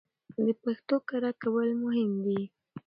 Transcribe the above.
د پښتو کره کول مهم دي